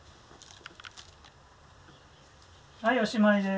はいおしまいです。